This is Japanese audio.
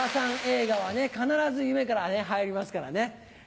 映画はね必ず夢から入りますからね。